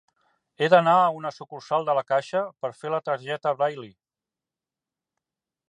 He d'anar a una sucursal de la Caixa per fer la targeta Braille?